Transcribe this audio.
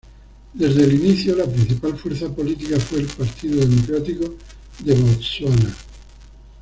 Desde el inicio la principal fuerza política fue el Partido Democrático de Botsuana.